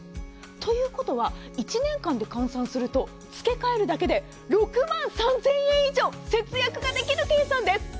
ということは１年間で換算すると付け替えるだけで６万３０００円以上節約ができる計算です。